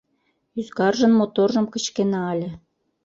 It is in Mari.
Ӱзгаржын моторжым кычкена ыле.